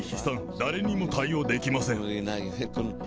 誰にも対応できません。